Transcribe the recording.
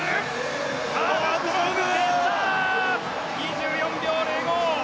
２４秒０５！